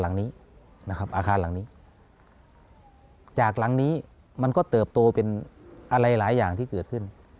หลังนี้นะครับอาคารหลังนี้จากหลังนี้มันก็เติบโตเป็นอะไรหลายอย่างที่เกิดขึ้น